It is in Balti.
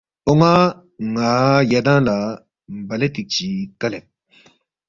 اون٘ا ن٘ا یدانگ لہ بلے تِکچی کلید